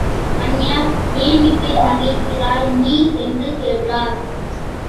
கன்யா ஏன் இப்படி நகைக்கிறாய் நீ? என்று கேட்டார்.